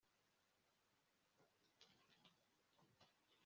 yarahiye ba sekuruza banyu kubaha bo n urubyaro